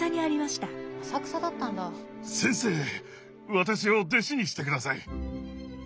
私を弟子にしてください！